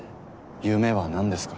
夢は何ですか？